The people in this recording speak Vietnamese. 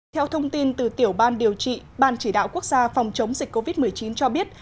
theo thông tin từ tiểu ban điều trị ban chỉ đạo quốc gia phòng chống dịch covid một mươi chín cho biết